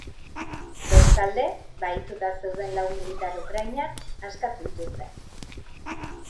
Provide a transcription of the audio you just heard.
Bestalde, bahituta zeuden lau militar ukrainar askatu dituzte.